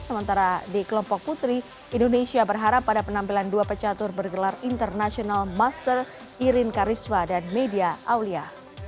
sementara di kelompok putri indonesia berharap pada penampilan dua pecatur bergelar international master irin kariswa dan media aulia